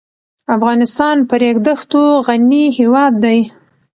افغانستان په ریګ دښتو غني هېواد دی.